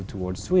và chia sẻ